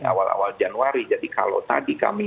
awal awal januari jadi kalau tadi kami